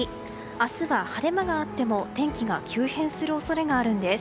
明日は、晴れ間があっても天気が急変する恐れがあるんです。